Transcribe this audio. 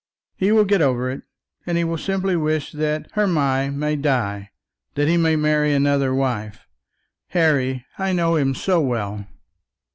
He will get over it, and he will simply wish that Hermy may die, that he may marry another wife. Harry, I know him so well!"